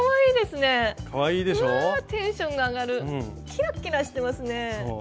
キラッキラしてますね。